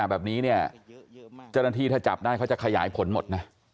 แบบนี้เนี่ยเจ้าหน้าที่ถ้าจับได้เขาจะขยายผลหมดนะ